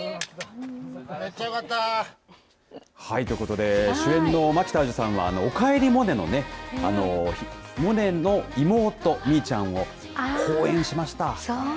めっちゃよかった。ということで主演の蒔田彩珠さんはおかえりモネのモネの妹、みいちゃんを好演しました。